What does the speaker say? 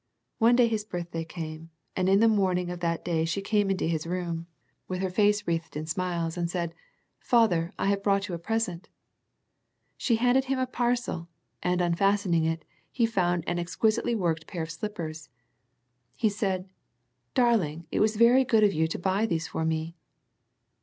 One day his birthday came, and in the morn ing of that day she came into his room, with The Ephesus Letter 49 her face wreathed in smiles and said " Father I have brought you a present." She handed him a parcel, and unfastening it he found an exquisitely worked pair of slippers. He said " Darling, it was very good of you to buy these for me."